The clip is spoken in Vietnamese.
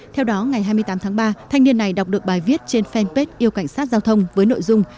theo đó ngày hai mươi tám tháng ba thanh niên này đọc được bài viết trên fanpage yêu cảnh sát giao thông với nội dung